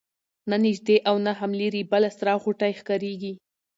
نه نیژدې او نه هم لیري بله سره غوټۍ ښکاریږي